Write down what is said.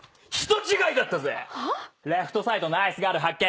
レフトサイドナイスガール発見。